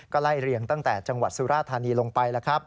ก็ไล่เรียงตั้งแต่จังหวัดสุราธานีลงไปแล้วครับ